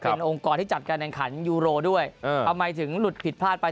เป็นองค์กรที่จัดการแข่งขันยูโรด้วยทำไมถึงหลุดผิดพลาดไป